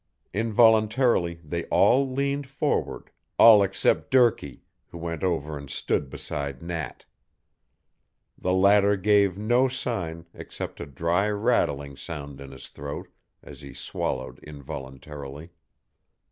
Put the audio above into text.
Involuntarily they all leaned forward, all except Durkee, who went over and stood beside Nat. The latter gave no sign except a dry rattling sound in his throat as he swallowed involuntarily.